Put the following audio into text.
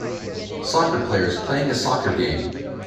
Soccer players playing a soccer game.